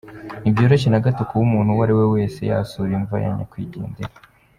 Ntibyoroshye na gato kuba umuntu uwo ari we wese yasura imva ya nyakwigendera.